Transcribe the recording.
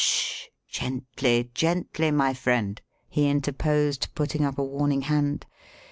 "Sh h h! Gently, gently, my friend," he interposed, putting up a warning hand.